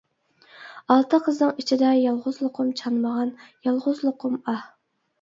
ئالتە قىزنىڭ ئىچىدە يالغۇزلۇقۇم چانمىغان، يالغۇزلۇقۇم ئاھ!